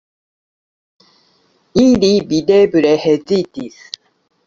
Ili videble hezitis.